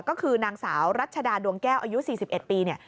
ก็คือนางสาวรัชดาดวงแก้วอายุ๔๑ปีเนี่ย